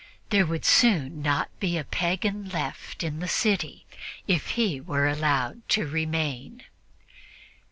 There would soon not be a pagan left in the city if he were allowed to remain.